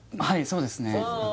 はいそうですね